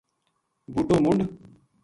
بوٹو منڈھ